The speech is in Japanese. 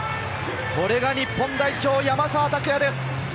これが日本代表・山沢拓也です。